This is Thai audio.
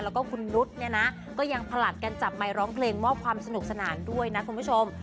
แล้วก็คุณนุษย์เนี่ยนะก็ยังผลัดกันจับไมค์ร้องเพลงมอบความสนุกสนานด้วยนะคุณผู้ชม